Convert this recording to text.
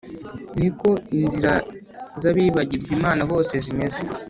ni ko inzira z’abibagirwa imana bose zimeze,